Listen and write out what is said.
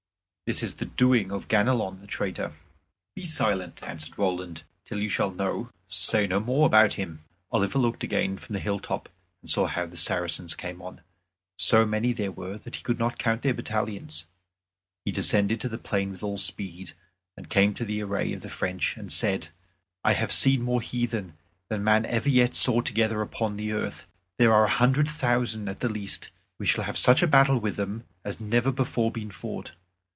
This is the doing of Ganelon the traitor." "Be silent," answered Roland, "till you shall know; say no more about him." Oliver looked again from the hilltop, and saw how the Saracens came on. So many there were that he could not count their battalions. He descended to the plain with all speed, and came to the array of the French, and said, "I have seen more heathen than man ever yet saw together upon the earth. There are a hundred thousand at the least. We shall have such a battle with them as has never before been fought.